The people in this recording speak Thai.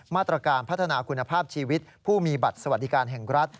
มาตรการพัฒนาคุณภาพชีวิตผู้มีบัตรสวัสดิการแห่งรัฐ